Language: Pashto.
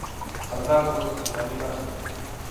• خندا کول د خوشالۍ نښه ده.